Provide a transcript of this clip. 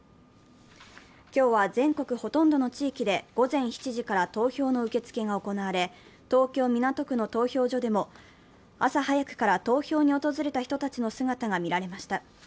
今日は全国ほとんどの地域で午前７時から投票の受け付けが行われ、東京・港区の投票所でも朝早くから投票に訪れた人たちの姿が見られました。